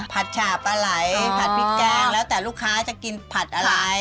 ฉาปลาไหล่ผัดพริกแกงแล้วแต่ลูกค้าจะกินผัดอะไร